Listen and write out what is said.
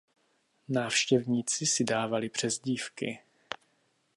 Návštěvníci si dávali přezdívky.